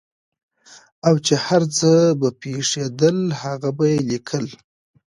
او چې هر څه به پېښېدل هغه به یې لیکل.